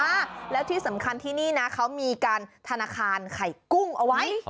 แล้วที่สำคัญที่นี่นะเขามีการธนาคารไข่กุ้งเอาไว้